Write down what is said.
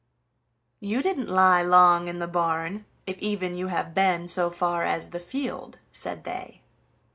"You didn't lie long in the barn, if even you have been so far as the field!" said they.